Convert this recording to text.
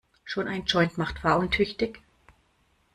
Schon ein Joint macht fahruntüchtig.